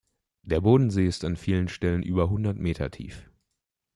Der Bodensee ist an vielen Stellen über hundert Meter tief.